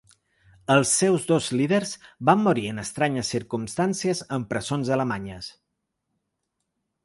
Els seus dos líders van morir en estranyes circumstàncies en presons alemanyes.